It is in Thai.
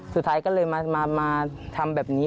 สุดท้ายก็เลยมาทำแบบนี้